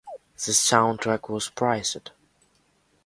The soundtrack was praised.